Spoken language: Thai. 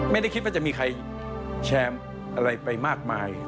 ไม่ได้คิดว่าจะมีใครแชร์อะไรไปมากมาย